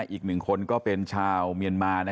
อีก๑คนก็เป็นชาวเมียนมา